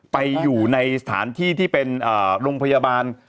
ไปอยู่ในสถานที่ที่เป็นโรงพยาบาล